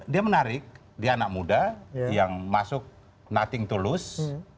dia menarik dia anak muda yang masuk nothing to lose